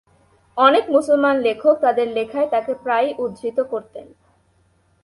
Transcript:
অনেক মুসলমান লেখক তাদের লেখায় তাকে প্রায়ই উদ্ধৃত করতেন।